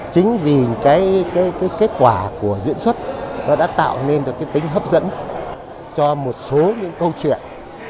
chính vì kết quả của diễn xuất nó đã tạo nên được cái tính hấp dẫn cho một số những câu chuyện